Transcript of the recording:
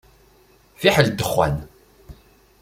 Fiḥel dexxan.